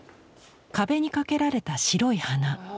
壁に掛けられた白い花